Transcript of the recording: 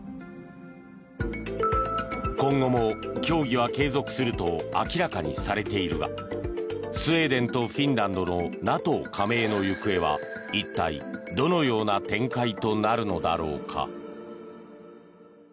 今後も協議は継続すると明らかにされているがスウェーデンとフィンランドのＮＡＴＯ加盟の行方は一体、どのような展開となるのだろうか。